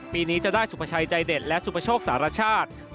ปีนี้จะได้สุภาชัยใจเด็ดและสุปโชคสารชาติ